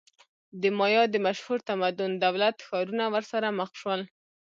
د مایا د مشهور تمدن دولت-ښارونه ورسره مخ شول.